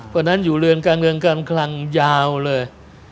เพราะฉะนั้นอยู่เรือนการเงินการคลังยาวเลย